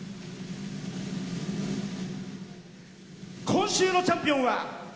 今週のチャンピオンは。